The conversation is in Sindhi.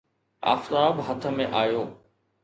آفتاب هٿ ۾ آيو